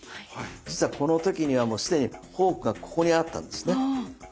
実はこの時にはもう既にフォークがここにあったんですね。